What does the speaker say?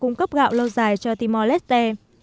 góp gạo lâu dài cho timor leste